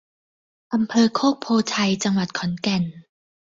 อำเภอโคกโพธิ์ไชย จังหวัดขอนแก่น